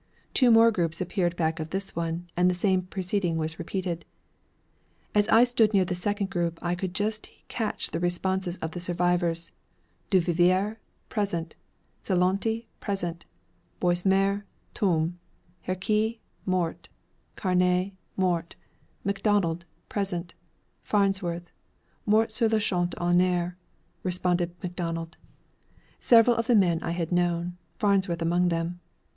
Two more groups appeared back of this one, and the same proceeding was repeated. As I stood near the second group I could just catch the responses of the survivors. 'Duvivier': 'Present.' 'Selonti': 'Present.' 'Boismort': 'Tombé.' 'Herkis': 'Mort.' Carney': 'Mort.' 'MacDonald': 'Present.' 'Farnsworth': 'Mort sur le champ d'honneur,' responded MacDonald. Several of the men I had known, Farnsworth among them.